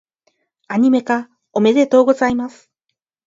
アニメ化、おめでとうございます！